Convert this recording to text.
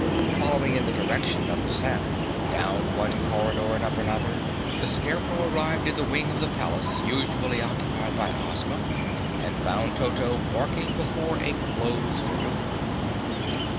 Following in the direction of the sound, down one corridor and up another, the Scarecrow arrived in the wing of the palace usually occupied by Ozma, and found Toto barking before a closed door.